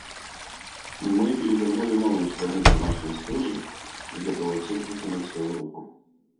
Мы перевернули новую страницу нашей истории и готовы всем протянуть свою руку.